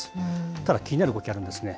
ただ気になる動きがあるんですね。